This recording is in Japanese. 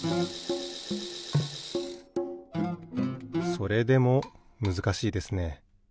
それでもむずかしいですね。